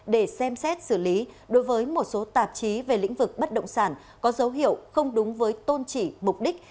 để xem xét xử lý đối với một số tạp chí về lĩnh vực bất động sản có dấu hiệu không đúng với tôn trị mục đích